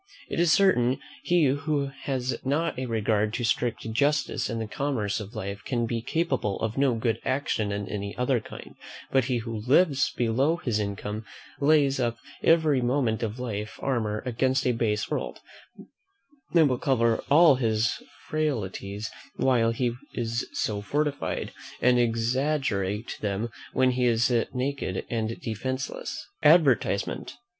It is certain, he who has not a regard to strict justice in the commerce of life, can be capable of no good action in any other kind; but he who lives below his income, lays up every moment of life armour against a base world, that will cover all his frailties while he is so fortified, and exaggerate them when he is naked and defenceless. ADVERTISEMENT.